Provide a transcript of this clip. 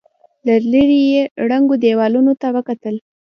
له ليرې يې ړنګو دېوالونو ته وکتل.